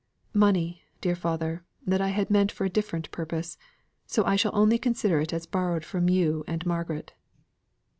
Money, dear father, that I had meant for a different purpose; so I shall only consider it as borrowed from you and Margaret."